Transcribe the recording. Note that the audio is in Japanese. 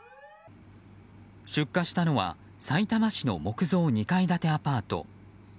出火したのは、さいたま市の木造２階建てアパート。